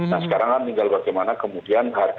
nah sekarang kan tinggal bagaimana kemudian harga